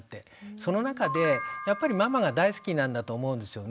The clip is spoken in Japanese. その中でやっぱりママが大好きなんだと思うんですよね。